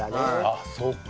あっそうか。